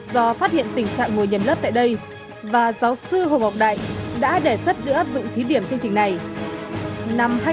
do phát hiện tình trạng ngồi nhầm lớp tại đây và giáo sư hồng học đại đã đề xuất được áp dụng thí điểm chương trình này